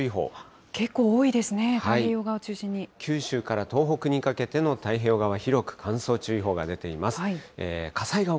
結構多いですね、太平洋側を九州から東北にかけての太平洋側、広く乾燥注意報が出ています。